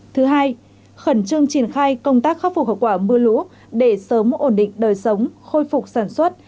thứ hai khẩn trương triển khai công tác khắc phục hậu quả mưa lũ để sớm ổn định đời sống khôi phục sản xuất